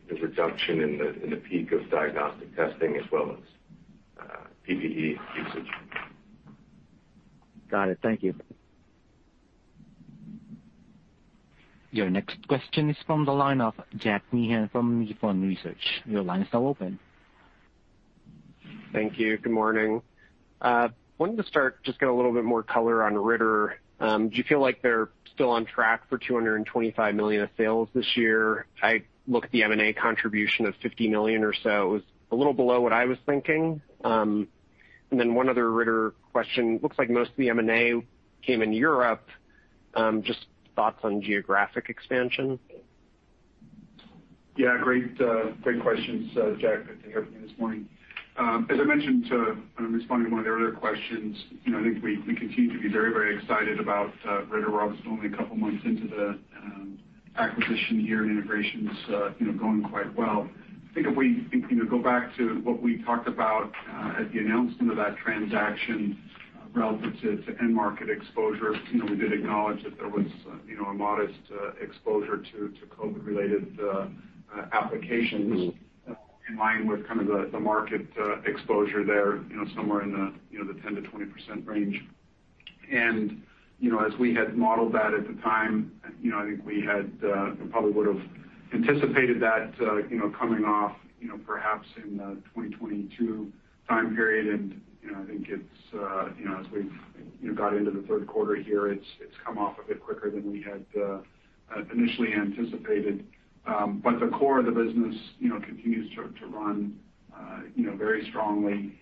the reduction in the peak of diagnostic testing as well as PPE usage. Got it. Thank you. Your next question is from the line of Jack Meehan from Nephron Research. Your line is now open. Thank you. Good morning. I wanted to start, just get a little bit more color on Ritter. Do you feel like they're still on track for $225 million of sales this year? I looked at the M&A contribution of $50 million or so. It was a little below what I was thinking. One other Ritter question. Looks like most of the M&A came in Europe, just thoughts on geographic expansion? Yeah, great questions, Jack. Good to hear from you this morning. As I mentioned when I'm responding to one of the earlier questions, you know, I think we continue to be very excited about Ritter only a couple of months into the acquisition here, and integration's going quite well. I think if we go back to what we talked about at the announcement of that transaction relative to end market exposure, you know, we did acknowledge that there was a modest exposure to COVID-related applications in line with kind of the market exposure there, you know, somewhere in the 10%-20% range. You know, as we had modeled that at the time, you know, I think we had probably would've anticipated that, you know, coming off, you know, perhaps in 2022 time period. You know, I think it's, you know, as we've, you know, got into the third quarter here, it's come off a bit quicker than we had initially anticipated. But the core of the business, you know, continues to run, you know, very strongly,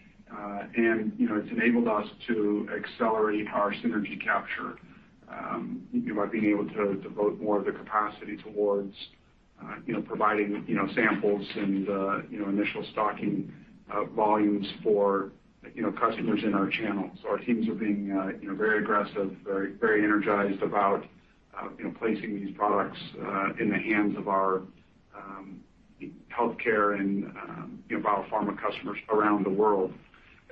and, you know, it's enabled us to accelerate our synergy capture, you know, by being able to devote more of the capacity towards, you know, providing, you know, samples and, you know, initial stocking volumes for, you know, customers in our channels. Our teams are being, you know, very aggressive, very energized about, you know, placing these products in the hands of our healthcare and, you know, biopharma customers around the world.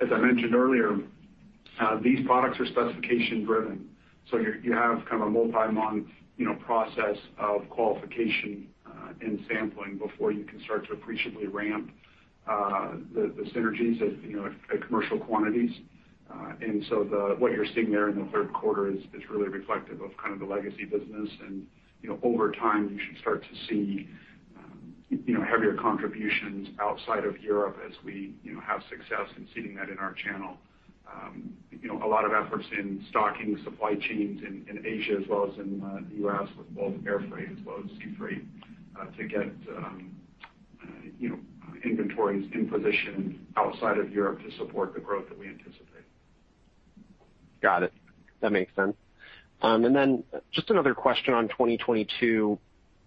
As I mentioned earlier, these products are specification-driven, so you have kind of a multi-month, you know, process of qualification in sampling before you can start to appreciably ramp the synergies at, you know, at commercial quantities. What you're seeing there in the third quarter is really reflective of kind of the legacy business. Over time, you should start to see, you know, heavier contributions outside of Europe as we, you know, have success in seeing that in our channel. You know, a lot of efforts in stocking supply chains in Asia as well as in the U.S. with both airfreight as well as sea freight to get you know, inventories in position outside of Europe to support the growth that we anticipate. Got it. That makes sense. Just another question on 2022.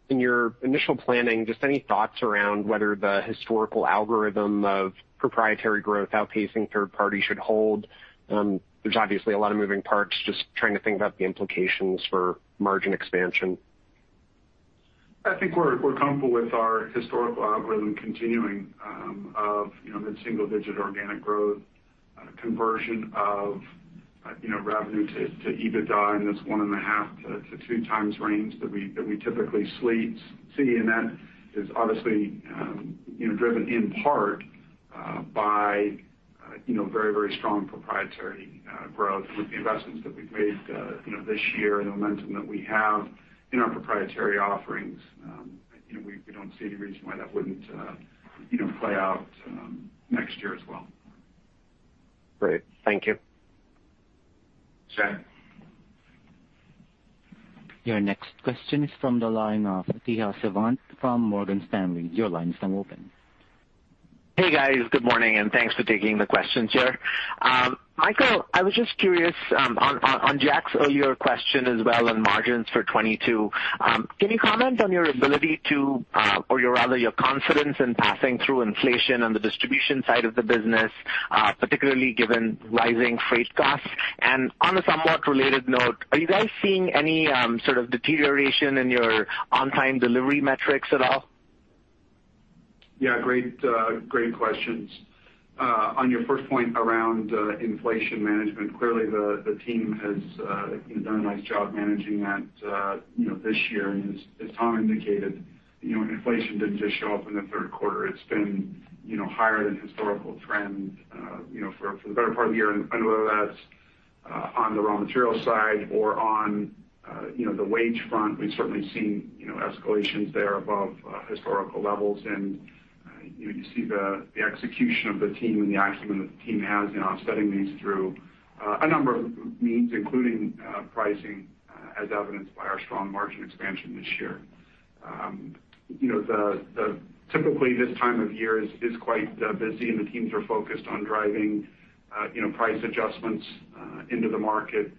In your initial planning, just any thoughts around whether the historical algorithm of proprietary growth outpacing third party should hold? There's obviously a lot of moving parts. Just trying to think about the implications for margin expansion. I think we're comfortable with our historical algorithm continuing of you know mid-single digit organic growth conversion of you know revenue to EBITDA in this 1.5-2x range that we typically see. That is obviously you know driven in part by you know very very strong proprietary growth with the investments that we've made you know this year and the momentum that we have in our proprietary offerings. You know we don't see any reason why that wouldn't you know play out next year as well. Great. Thank you. Sure. Your next question is from the line of Tejas Savant from Morgan Stanley. Your line is now open. Hey, guys. Good morning, and thanks for taking the questions here. Michael, I was just curious, on Jack's earlier question as well on margins for 2022. Can you comment on your ability to, or rather your confidence in passing through inflation on the distribution side of the business, particularly given rising freight costs? And on a somewhat related note, are you guys seeing any sort of deterioration in your on-time delivery metrics at all? Yeah, great questions. On your first point around inflation management, clearly the team has, you know, done a nice job managing that, you know, this year. As Tom indicated, you know, inflation didn't just show up in the third quarter. It's been, you know, higher than historical trend, you know, for the better part of the year. Whether that's on the raw material side or on, you know, the wage front, we've certainly seen, you know, escalations there above historical levels. You know, you see the execution of the team and the acumen that the team has, you know, on studying these through a number of means, including pricing, as evidenced by our strong margin expansion this year. You know, typically, this time of year is quite busy, and the teams are focused on driving, you know, price adjustments into the market,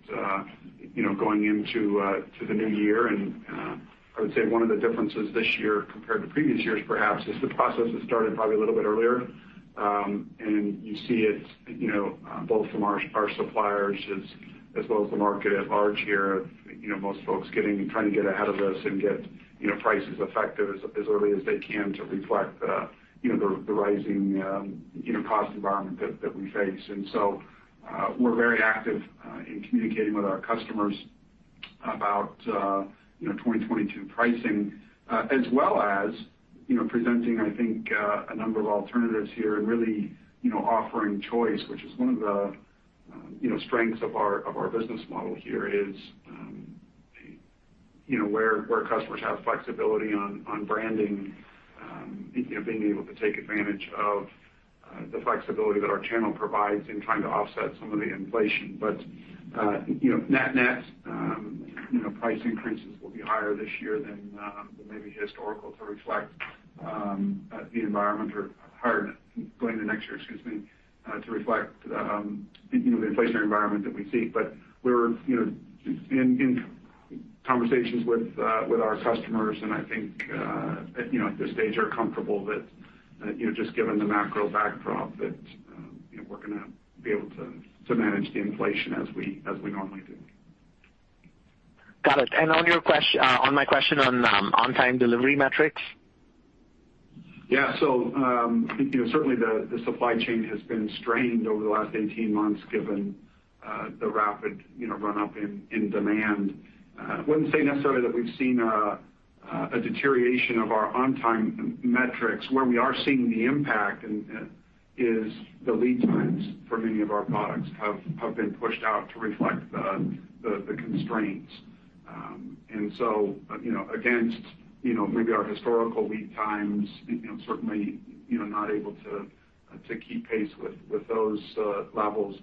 you know, going into the new year. I would say one of the differences this year compared to previous years, perhaps, is the process has started probably a little bit earlier. You see it, you know, both from our suppliers as well as the market at large here. You know, most folks trying to get ahead of this and get, you know, prices effective as early as they can to reflect, you know, the rising, you know, cost environment that we face. We're very active in communicating with our customers about, you know, 2022 pricing, as well as, you know, presenting, I think, a number of alternatives here and really, you know, offering choice, which is one of the, you know, strengths of our business model here is, you know, where customers have flexibility on branding, you know, being able to take advantage of the flexibility that our channel provides in trying to offset some of the inflation. Net-net, you know, price increases will be higher this year than maybe historical to reflect the inflationary environment that we see. We're, you know, in conversations with our customers and I think, you know, at this stage are comfortable that, you know, just given the macro backdrop that, you know, we're gonna be able to manage the inflation as we normally do. Got it. On my question on-time delivery metrics? Yeah. You know, certainly the supply chain has been strained over the last 18 months, given the rapid, you know, run-up in demand. I wouldn't say necessarily that we've seen a deterioration of our on-time metrics. Where we are seeing the impact is the lead times for many of our products have been pushed out to reflect the constraints. You know, against, you know, maybe our historical lead times, you know, certainly, you know, not able to keep pace with those levels.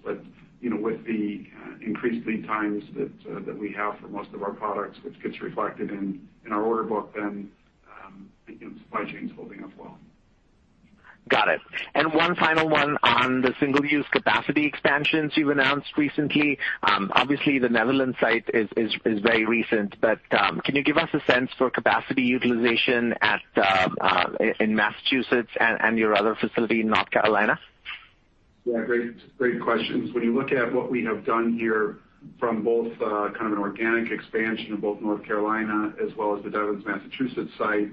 You know, with the increased lead times that we have for most of our products, which gets reflected in our order book, then, you know, supply chain's holding up well. Got it. One final one on the single-use capacity expansions you've announced recently. Obviously, the Netherlands site is very recent. Can you give us a sense for capacity utilization in Massachusetts and your other facility in North Carolina? Yeah, great questions. When you look at what we have done here from both kind of an organic expansion in both North Carolina as well as the Devens, Massachusetts site,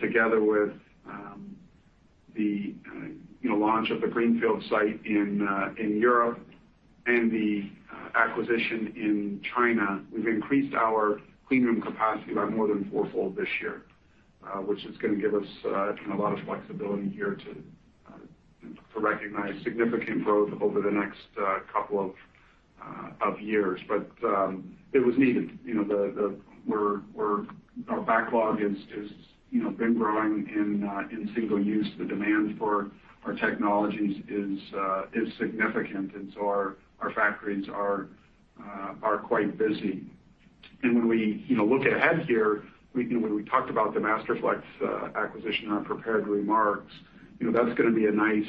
together with you know, the launch of the greenfield site in Europe and the acquisition in China, we've increased our cleanroom capacity by more than fourfold this year, which is gonna give us you know, a lot of flexibility here to recognize significant growth over the next couple of years. But it was needed. You know, our backlog is you know, been growing in single-use. The demand for our technologies is significant, and so our factories are quite busy. When we, you know, look ahead here, we, you know, when we talked about the Masterflex acquisition in our prepared remarks, you know, that's gonna be a nice,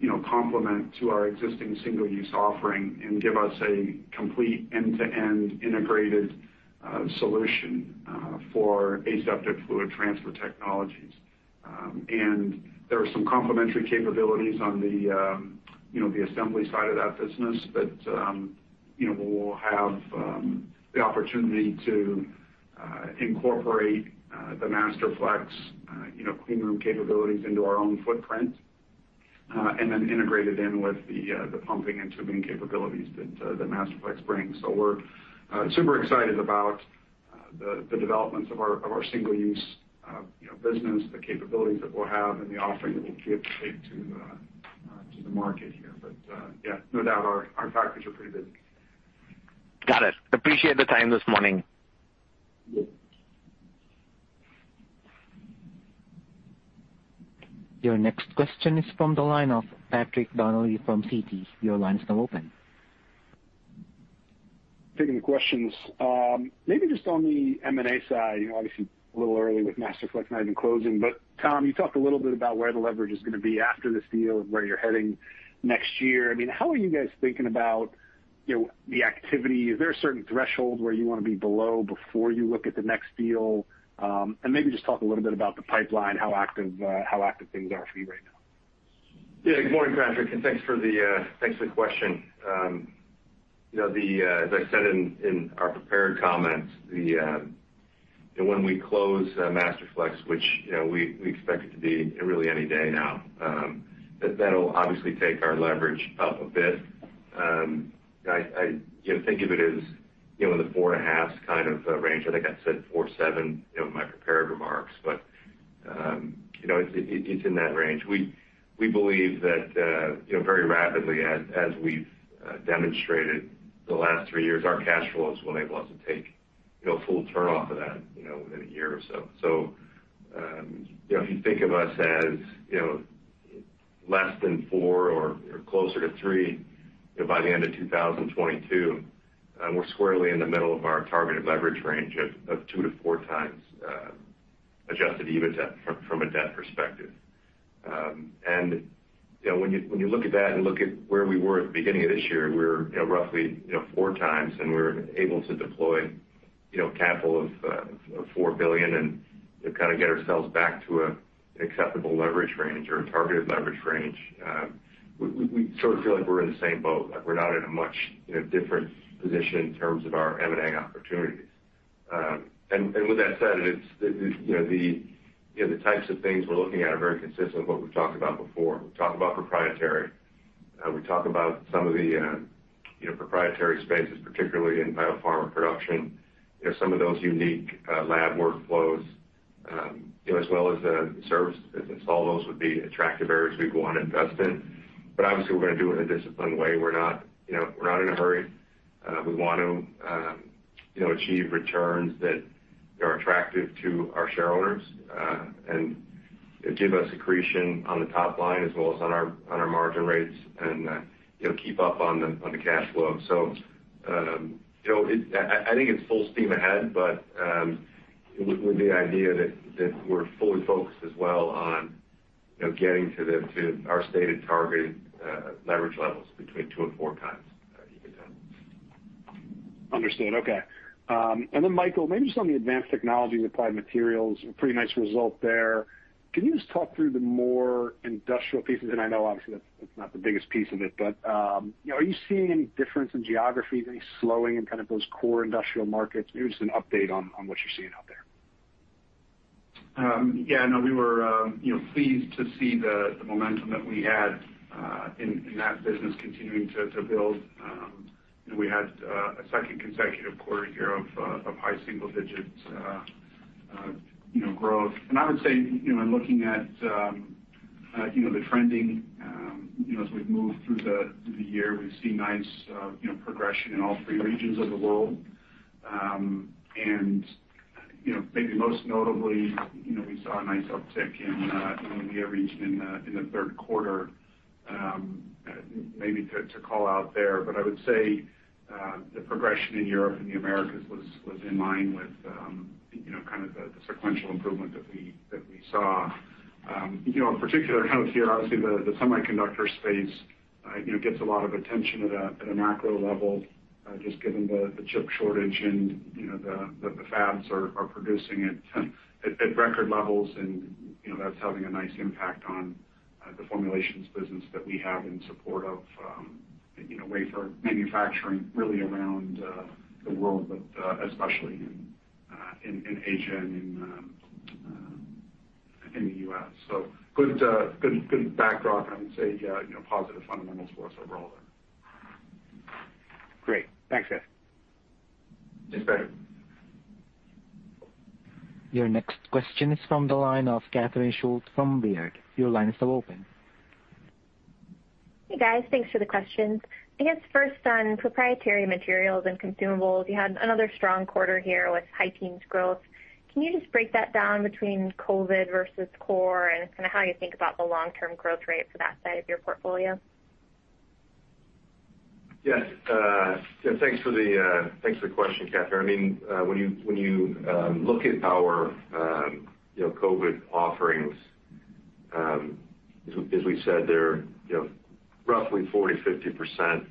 you know, complement to our existing single-use offering and give us a complete end-to-end integrated solution for aseptic fluid transfer technologies. There are some complementary capabilities on the, you know, the assembly side of that business that, you know, we'll have the opportunity to incorporate the Masterflex, you know, cleanroom capabilities into our own footprint, and then integrate it in with the pumping and tubing capabilities that Masterflex brings. We're super excited about the developments of our single use, you know, business, the capabilities that we'll have and the offering that we'll be able to take to the market here. Yeah, no doubt our factories are pretty busy. Got it. Appreciate the time this morning. Yep. Your next question is from the line of Patrick Donnelly from Citi. Your line is now open. Taking the questions. Maybe just on the M&A side, you know, obviously a little early with Masterflex not even closing. Tom, you talked a little bit about where the leverage is gonna be after this deal and where you're heading next year. I mean, how are you guys thinking about, you know, the activity? Is there a certain threshold where you wanna be below before you look at the next deal? And maybe just talk a little bit about the pipeline, how active things are for you right now. Yeah. Good morning, Patrick, and thanks for the question. As I said in our prepared comments, you know, when we close Masterflex, which, you know, we expect it to be really any day now, that'll obviously take our leverage up a bit. I think of it as, you know, the 4.5 kind of range. I think I said 4.7 in my prepared remarks, but, you know, it's in that range. We believe that, you know, very rapidly, as we've demonstrated the last three years, our cash flows will enable us to take, you know, full turn off of that, you know, within a year or so. you know, if you think of us as, you know Less than four or closer to three by the end of 2022, we're squarely in the middle of our targeted leverage range of 2-4x adjusted EBIT from a debt perspective. When you look at that and look at where we were at the beginning of this year, we were roughly 4xs, and we were able to deploy, you know, capital of $4 billion and kind of get ourselves back to an acceptable leverage range or a targeted leverage range. We sort of feel like we're in the same boat, like we're not in a much different position in terms of our M&A opportunities. With that said, it's, you know, the types of things we're looking at are very consistent with what we've talked about before. We talk about proprietary. We talk about some of the, you know, proprietary spaces, particularly in biopharma production. You know, some of those unique lab workflows, as well as the service installs would be attractive areas we'd want to invest in. Obviously, we're going to do it in a disciplined way. We're not, you know, in a hurry. We want to achieve returns that are attractive to our shareholders, and give us accretion on the top line as well as on our margin rates and, you know, keep up on the cash flow. I think it's full steam ahead, but with the idea that we're fully focused as well on, you know, getting to our stated targeted leverage levels between 2 and 4x. Understood. Okay. Michael, maybe just on the Advanced Technologies & Applied Materials, a pretty nice result there. Can you just talk through the more industrial pieces? I know obviously that's not the biggest piece of it, but are you seeing any difference in geographies, any slowing in kind of those core industrial markets? Maybe just an update on what you're seeing out there. Yeah, no, we were you know pleased to see the momentum that we had in that business continuing to build. We had a second consecutive quarter here of high single digits you know growth. I would say, you know, in looking at the trending, you know, as we've moved through the year, we've seen nice progression in all three regions of the world. You know, maybe most notably, you know, we saw a nice uptick in the AMEA region in the third quarter, maybe to call out there. I would say the progression in Europe and the Americas was in line with you know kind of the sequential improvement that we saw. You know, in particular out here, obviously, the semiconductor space gets a lot of attention at a macro level, just given the chip shortage and, you know, the fabs are producing at record levels, and, you know, that's having a nice impact on the formulations business that we have in support of, you know, wafer manufacturing really around the world, but especially in Asia and in the U.S. So good backdrop. I would say, you know, positive fundamentals for us overall there. Great. Thanks, guys. Thanks, Patrick. Your next question is from the line of Catherine Schulte from Baird. Your line is now open. Hey, guys. Thanks for the questions. I guess first on proprietary materials and consumables, you had another strong quarter here with high-teens percemntage growth. Can you just break that down between COVID versus core and kind of how you think about the long-term growth rate for that side of your portfolio? Yes. Thanks for the question, Catherine. I mean, when you look at our COVID offerings, as we said, they're you know, roughly 40%-50%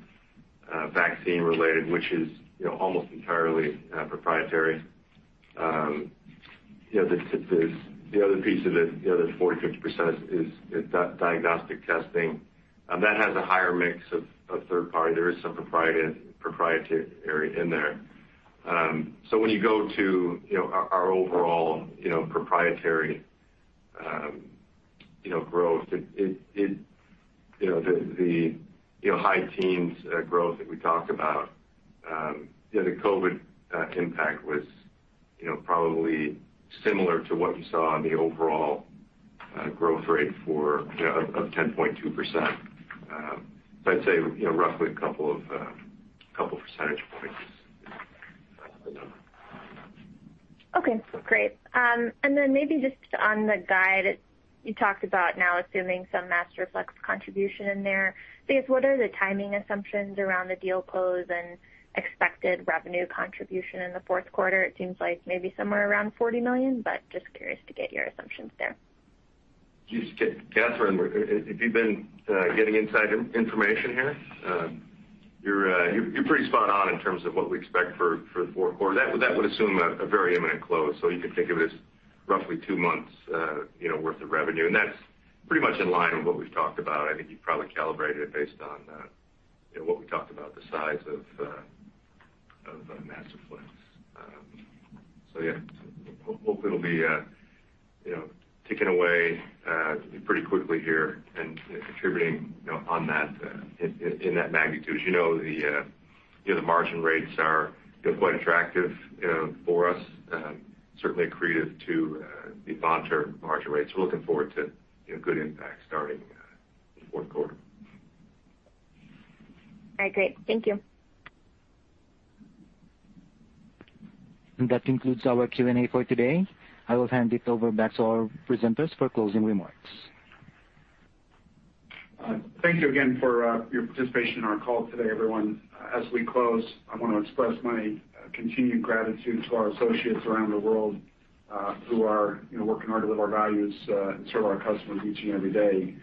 vaccine-related, which is you know, almost entirely proprietary. You know, the other piece of it, the other 40%-50% is diagnostic testing. That has a higher mix of third party. There is some proprietary in there. When you go to, you know, our overall, you know, proprietary, you know, growth, it, you know, the, you know, high teens growth that we talked about, the COVID impact was, you know, probably similar to what you saw in the overall growth rate for, you know, of 10.2%. I'd say, you know, roughly a couple of percentage points. Okay, great. Maybe just on the guide, you talked about now assuming some Masterflex contribution in there. I guess, what are the timing assumptions around the deal close and expected revenue contribution in the fourth quarter? It seems like maybe somewhere around $40 million, but just curious to get your assumptions there. Catherine, have you been getting inside information here? You're pretty spot on in terms of what we expect for the fourth quarter. That would assume a very imminent close, so you can think of it as roughly two months worth of revenue. That's pretty much in line with what we've talked about. I think you probably calibrated it based on what we talked about, the size of Masterflex. So yeah, hope it'll be ticking away pretty quickly here and contributing on that in that magnitude. As you know, the margin rates are quite attractive for us, certainly accretive to the long-term margin rates. We're looking forward to, you know, good impact starting the fourth quarter. All right, great. Thank you. That concludes our Q&A for today. I will hand it over back to our presenters for closing remarks. Thank you again for your participation in our call today, everyone. As we close, I want to express my continued gratitude to our associates around the world, who are, you know, working hard to live our values and serve our customers each and every day.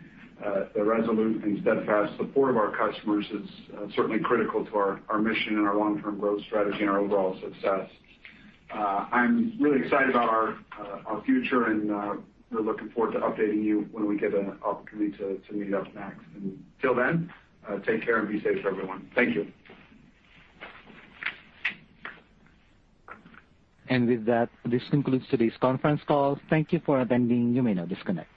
The resolute and steadfast support of our customers is certainly critical to our mission and our long-term growth strategy and our overall success. I'm really excited about our future, and we're looking forward to updating you when we get an opportunity to meet up next. Till then, take care and be safe, everyone. Thank you. With that, this concludes today's conference call. Thank you for attending. You may now disconnect.